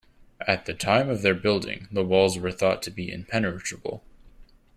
At the time of their building, the walls were thought to be impenetrable.